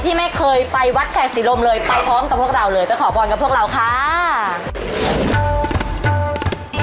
ไปพร้อมกับพวกเราเลยไปขอพรกับพวกเราค่า